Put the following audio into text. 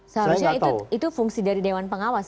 seharusnya itu fungsi dari dewan pengawas